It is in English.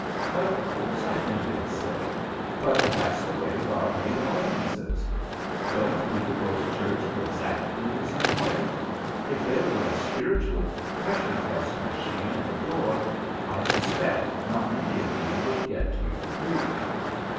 "Of course I think it silly, but that's the way God made audiences. Don't people go to church in exactly the same way? If there were a spiritual pressure test machine at the door, I suspect not many of you would get to your pews."